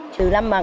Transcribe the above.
chỉ lắm mà có